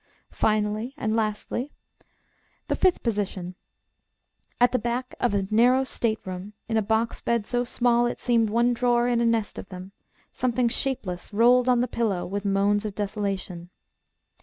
Finally and lastly, the Fifth Position: at the back of a narrow state room, in a box bed so small it seemed one drawer in a nest of them, something shapeless rolled on the pillow with moans of desolation.